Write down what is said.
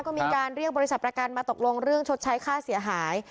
ก็มีการเรียกบริษัทประกันมาตกลงเรื่องชดใช้ค่าเสียหาย